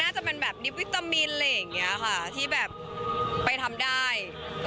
น่าจะเป็นแบบนิพย์วิตามีนเลยอย่างเงี้ยค่ะที่แบบไปทำได้